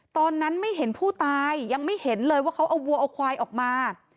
ตอนนั้นไม่เห็นผู้ตายยังไม่เห็นเลยว่าเขาเอาวัวเอาควายออกมา